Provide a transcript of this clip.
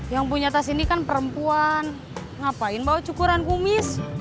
yang punya tas ini kan perempuan ngapain bawa cukuran kumis